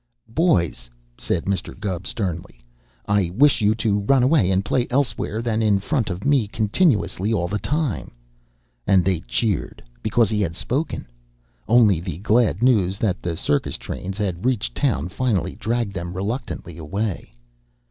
"Boys," said Mr. Gubb sternly, "I wish you to run away and play elsewhere than in front of me continuously and all the time," and they cheered because he had spoken. Only the glad news that the circus trains had reached town finally dragged them reluctantly away.